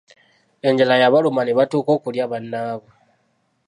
Enjala yabaluma ne batuuka okulya bannaabwe.